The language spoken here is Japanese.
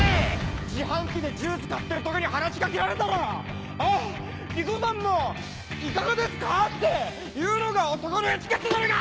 自販機でジュース買ってる時に話し掛けられたら「あっ理子さんもいかがですか？」って言うのが男のエチケットだろうが！